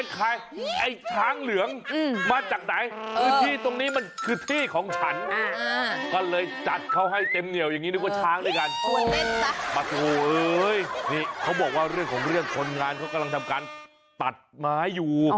เขากำลังทำการตัดไม้อยู่